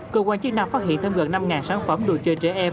cơ quan chức năng phát hiện thêm gần năm sản phẩm đồ chơi trẻ em